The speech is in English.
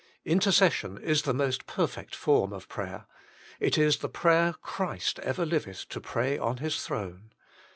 Intercession is the most perfect form of prayer: it is the prayer Christ ever liveth to pray on His throne.